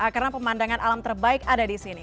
karena pemandangan alam terbaik ada di sini